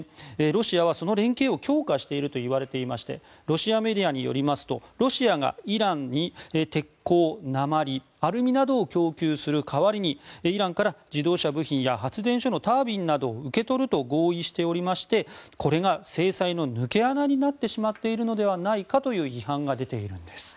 ロシアは、その連携を強化しているといわれていましてロシアメディアによりますとロシアがイランに鉄鋼、鉛アルミなどを供給する代わりにイランから自動車部品や発電所のタービンなどを受け取ると合意しておりましてこれが制裁の抜け穴になってしまっているのではないかという批判が出ているんです。